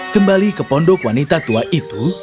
kembali ke pondok wanita tua itu